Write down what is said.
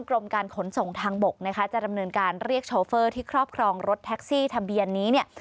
กรมการขนส่งทางบกนะคะจะดำเนินการเรียกโชเฟอร์ที่ครอบครองรถแท็กซี่ทะเบียนนี้เนี่ย